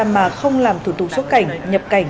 mà không làm thủ tục xuất cảnh nhập cảnh